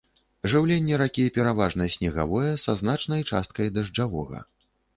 Жыўленне ракі пераважна снегавое, са значнай часткай дажджавога.